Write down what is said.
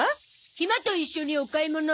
ひまと一緒にお買い物。